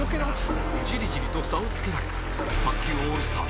ジリジリと差をつけられ卓球オールスターズ